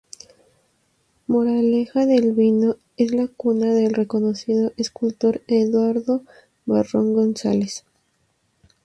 Moraleja del Vino es la cuna del reconocido escultor Eduardo Barrón González.